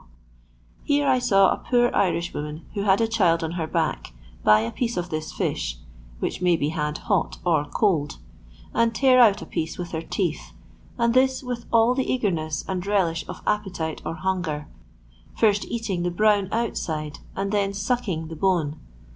Here I saw a poor Irishwoman who had a child on her back buy a piece of this fish (which may be had " hot " or " cold "), and tear out a piece with her teeth, and this with all the eagerness and relish of appetite or hunger; first eating the brown outside and then sucking the bone.